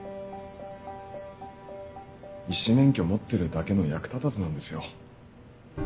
医師免許持ってるだけの役立たずなんですよ。